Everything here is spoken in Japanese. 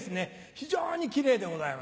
非常にキレイでございます。